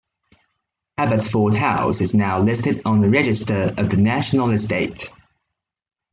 Abbotsford House is now listed on the Register of the National Estate.